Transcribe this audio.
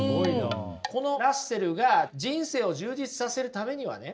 このラッセルが人生を充実させるためにはね